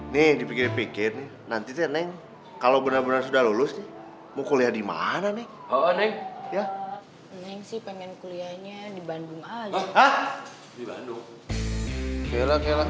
nih dipikir pikir nanti teneng kalau benar benar sudah lulus mau kuliah di mana nih